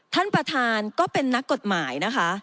ท่านประธานก็เป็นนักกฎหมายนะคะ